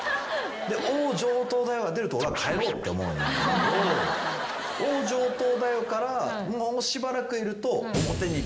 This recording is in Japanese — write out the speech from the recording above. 「おう上等だよ」が出ると俺は帰ろうって思うんだけど「おう上等だよ」からもうしばらくいると。